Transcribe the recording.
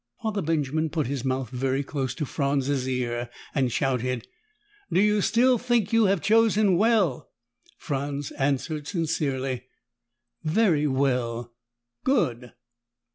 Father Benjamin put his mouth very close to Franz's ear and shouted, "Do you still think you have chosen well?" Franz answered sincerely, "Very well." "Good!"